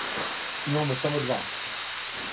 Имамо само два.